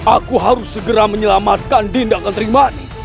aku harus segera menyelamatkan dinda ketrimani